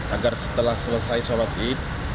agar setelah selesai sholat id